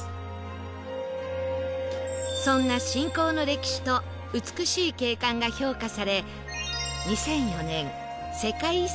そんな信仰の歴史と美しい景観が評価され